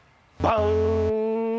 バン？